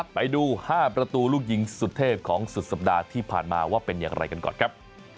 ไปดู๕ประตูลูกยิงสุดเทพของสุดสัปดาห์ที่ผ่านมาว่าเป็นอย่างไรกันก่อนครับ